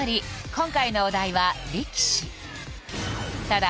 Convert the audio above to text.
今回のお題は力士ただ